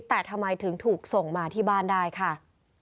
แต่ทำไมถึงถูกส่งมาที่บ้านได้ค่ะ